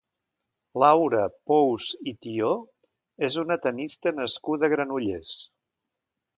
Laura Pous i Tió és una tennista nascuda a Granollers.